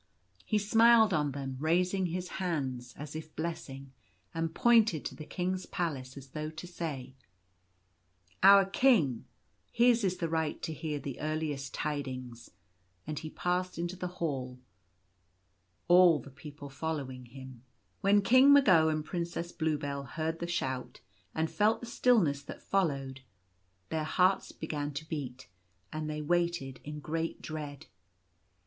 He smiled on them, raising his hands as if blessing ; and pointed to the King's palace, as though to say :" Our king ! his is the right to hear the earliest tidings." He passed into the hall, all the people following him. When King Mago and Princess Bluebell heard the shout and felt the stillness that followed, their hearts began to beat, and they waited in great dread.